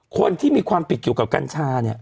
คนที่มีความปิดเกี่ยวกับกัญชา